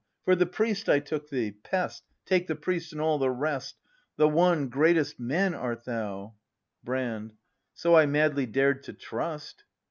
For the priest I took thee; — pest Take the priest and all the rest! The One, greatest Man art thou — Brand. So I madly dared to trust.